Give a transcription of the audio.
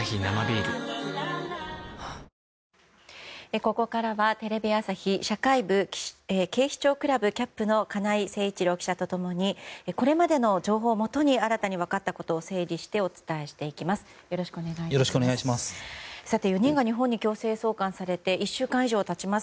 ここからはテレビ朝日社会部警視庁クラブキャップの金井誠一郎記者と共にこれまでの情報をもとに新たに分かったことを整理してお伝えしていきます。